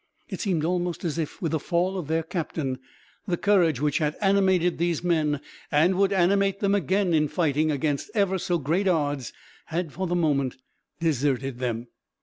It seemed almost as if, with the fall of their captain, the courage which had animated these men, and would animate them again in fighting against ever so great odds, had for the moment deserted them.